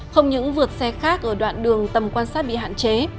không những vượt xe khác ở đoạn đường tầm quan sát bị hạn chế